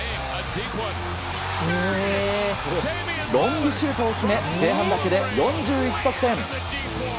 ロングシュートを決め前半だけで４１得点。